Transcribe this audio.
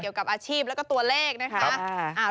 เกี่ยวกับอาชีพแล้วก็ตัวเลขนะคะ